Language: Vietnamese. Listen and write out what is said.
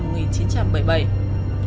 mình đã tìm ra một người bạn nghiện